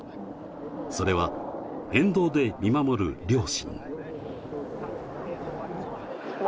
それは沿道で見守る両親。